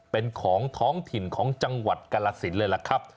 เป็นของท้องถิ่นของจังหวัดกรสินเลยล่ะครับ